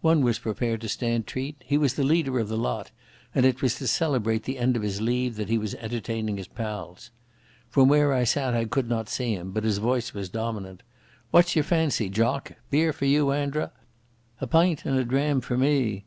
One was prepared to stand treat; he was the leader of the lot, and it was to celebrate the end of his leave that he was entertaining his pals. From where I sat I could not see him, but his voice was dominant. "What's your fancy, jock? Beer for you, Andra? A pint and a dram for me.